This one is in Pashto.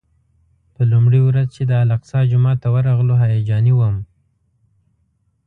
په لومړۍ ورځ چې د الاقصی جومات ته ورغلو هیجاني وم.